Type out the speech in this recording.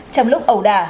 trong lúc ẩu đà